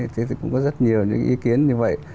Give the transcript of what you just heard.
thế thì cũng có rất nhiều những ý kiến như vậy